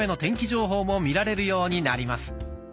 情報も見られるようになります。